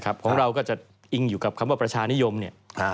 ของเราก็จะอิงอยู่กับคำว่าประชานิยมเนี่ย